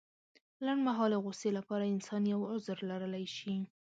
لنډمهالې غوسې لپاره انسان يو عذر لرلی شي.